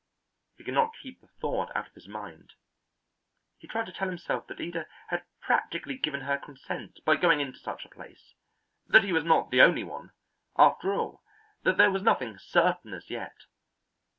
He could not keep the thought out of his mind. He tried to tell himself that Ida had practically given her consent by going into such a place; that he was not the only one, after all; that there was nothing certain as yet.